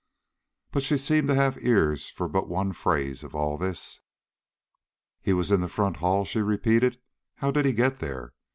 But she seemed to have ears for but one phrase of all this. "He was in the front hall," she repeated. "How did he get there?